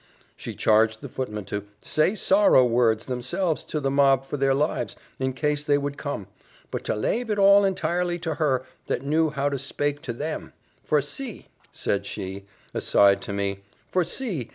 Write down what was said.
She charged the footman to "say sorrow word themselves to the mob for their lives, in case they would come; but to lave it all entirely to her, that knew how to spake to them. For see!" said she, aside to me "For see!